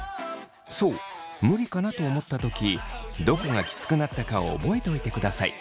そう無理かなと思った時どこがキツくなったかを覚えておいてください。